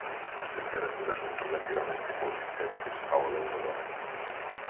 As temperaturas son relativamente consistentes ao longo do ano.